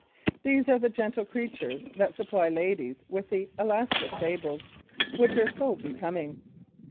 These are the gentle creatures that supply ladies with the "Alaska sables" which are so becoming.